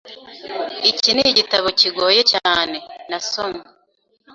Iki nigitabo kigoye cyane. nasomye .